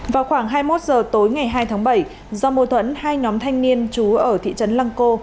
vào khoảng hai mươi một h tối ngày hai tháng bảy do mô thuẫn hai nhóm thanh niên chú ở thị trấn lăng cô